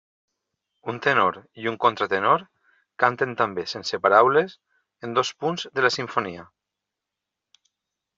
Un tenor i un contratenor canten també sense paraules en dos punts de la simfonia.